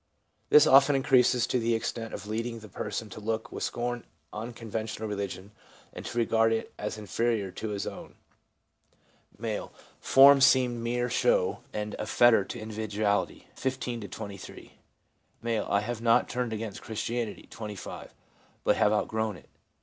This often increases to the extent of leading the person to look with scorn on conventional religion, and to regard it as inferior to his own. M. ' Forms seemed mere show and a fetter to individuality (15 to 23)/ M. 'I have not turned against Christianity (25), but have outgrown it.